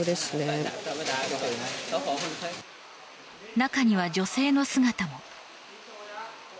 中には女性の姿も。